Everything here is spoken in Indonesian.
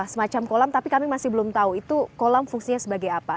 semacam kolam tapi kami masih belum tahu itu kolam fungsinya sebagai apa